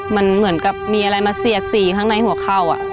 มันเหมือนกับมีอะไรมาเสียดสีข้างในหัวเข่า